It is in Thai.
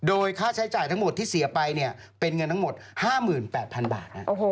โอ้โหครึ่งแสนนะ